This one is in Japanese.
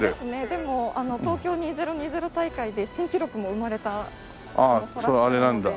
でも東京２０２０大会で新記録も生まれたトラックなので。